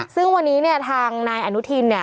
ซึ่งวันนี้เนี่ยทางนายอนุทินเนี่ย